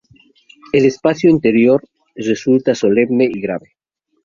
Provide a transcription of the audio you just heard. El espacio interior resulta solemne y grave.